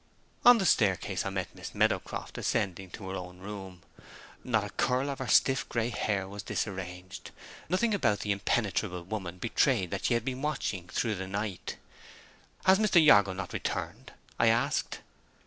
On the staircase I met Miss Meadowcroft ascending to her own room. Not a curl of her stiff gray hair was disarranged; nothing about the impenetrable woman betrayed that she had been watching through the night. "Has Mr. Jago not returned?" I asked.